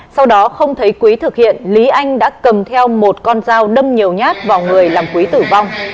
sau đó không thấy quý thực hiện lý anh đã cầm theo một con dao đâm nhiều nhát vào người làm quý tử vong